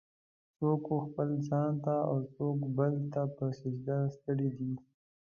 "څوک و خپل ځان ته اوڅوک بت ته په سجده ستړی دی.